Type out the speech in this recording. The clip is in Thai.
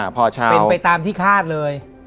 เป็นไปตามที่คาดเลย